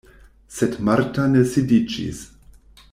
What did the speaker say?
Sed Marta ne sidiĝis.